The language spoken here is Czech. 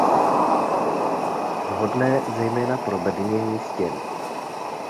Vhodné zejména pro bednění stěn.